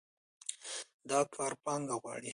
دا کار پانګه غواړي.